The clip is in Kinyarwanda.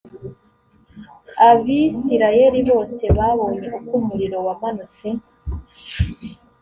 abisirayeli bose babonye uko umuriro wamanutse